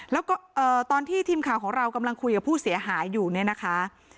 แล้วก็ตอนที่ทีมข่าวของเรากำลังคุยกับผู้เสียหายอยู่เนี่ยนะคะ